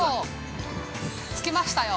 ◆着きましたよ。